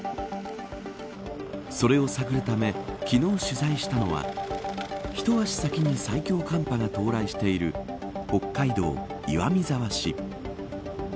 それを探るため昨日取材したのはひと足先に最強寒波が到来している北海道岩見沢市。